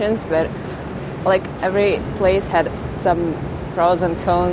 tapi setiap tempat memiliki beberapa peralatan yang tidak bisa saya temukan